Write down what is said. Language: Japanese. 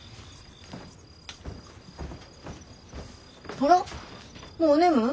あらもうおねむ？